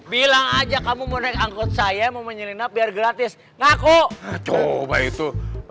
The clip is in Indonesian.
bilang aja kamu mau naik angkut saya mau menyelinap biar gratis ngaku coba itu